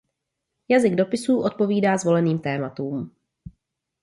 Jazyk dopisů odpovídá zvoleným tématům.